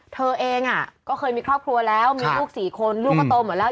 เธอเองก็เคยมีครอบครัวแล้วมีลูก๔คนลูกก็โตหมดแล้ว